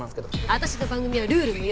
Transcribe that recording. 私の番組はルール無用！